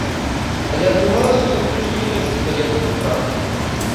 Але атрымалася сустрэча не толькі з калегам па працы.